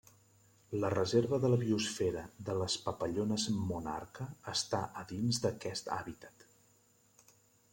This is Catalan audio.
La Reserva de la Biosfera de les Papallones Monarca està a dins d'aquest hàbitat.